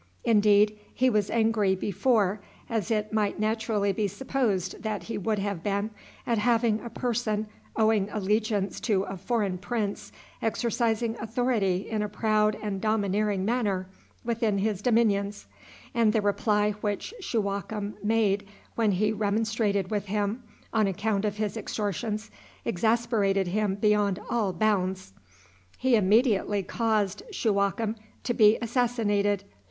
Indeed, he was angry before, as it might naturally be supposed that he would have been, at having a person owing allegiance to a foreign prince exercising authority in a proud and domineering manner within his dominions, and the reply which Shuwakem made when he remonstrated with him on account of his extortions exasperated him beyond all bounds. He immediately caused Shuwakem to be assassinated.